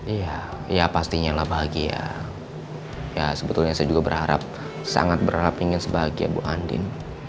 iya ya pastinya lah bahagia ya sebetulnya saya juga berharap sangat berharap ingin bahagia bu andin